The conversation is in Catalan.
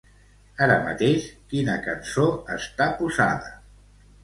Ara mateix quina cançó està posada?